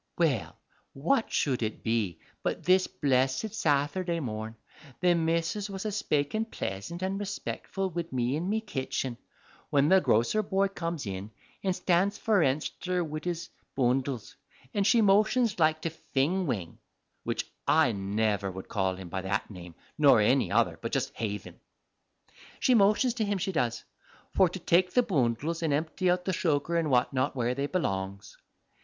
Well, what should it be, but this blessed Sathurday morn the missus was a spakin' pleasant and respec'ful wid me in me kitchen, when the grocer boy comes in an' stands fornenst her wid his boondles, an' she motions like to Fing Wing (which I never would call him by that name nor any other but just haythin); she motions to him, she does, for to take the boondles an' empty out the sugar an' what not where they belongs.